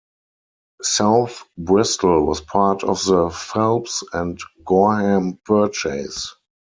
South Bristol was part of the Phelps and Gorham Purchase.